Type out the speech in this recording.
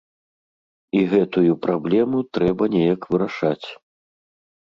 І гэтую праблему трэба неяк вырашаць.